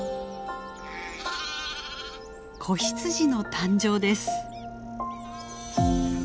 子羊の誕生です。